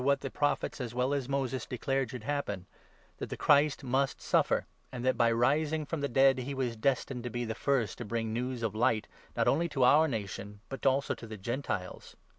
265 what the Prophets, as well as Moses, declared should happen — that the Christ must suffer, and that, by rising from the 23 dead, he was destined to be the first to bring news of Light, not only to our nation, but also to the Gentiles."